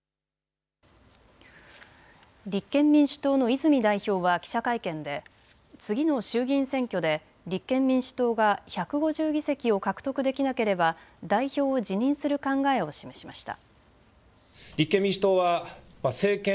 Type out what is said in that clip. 立憲民主党の泉代表は記者会見で次の衆議院選挙で立憲民主党が１５０議席を獲得できなければ代表を辞任する考えを示しました。